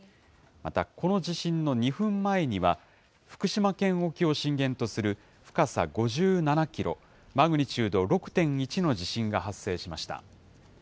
また、この地震の２分前には、福島県沖を震源とする深さ５７キロ、マグニチュード６．１の地震が発生しました。